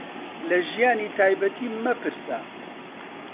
لە ژیانی تایبەتیم مەپرسە.